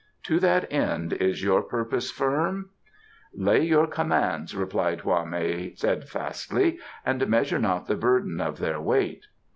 To that end is your purpose firm?" "Lay your commands," replied Hwa mei steadfastly, "and measure not the burden of their weight."